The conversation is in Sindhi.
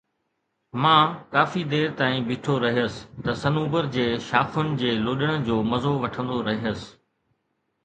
مان ڪافي دير تائين بيٺو رهيس ته صنوبر جي شاخن جي لڏڻ جو مزو وٺندو رهيس